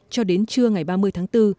cho đến trưa ngày ba mươi tháng bốn